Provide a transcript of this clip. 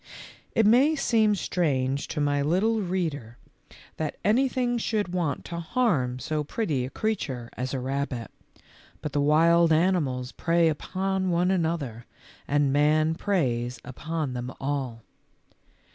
It may seem strange to my little reader that 130 THE LITTLE FORESTERS. anything should want to harm so pretty a creature as a rabbit, but the wild animals prey upon one anpther, and man preys upon them all.